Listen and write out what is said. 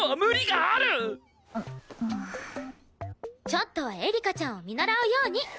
ちょっとはエリカちゃんを見習うように。